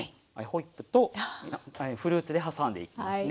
ホイップとフルーツで挟んでいきます。